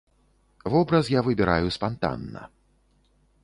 Вобраз я выбіраю спантанна.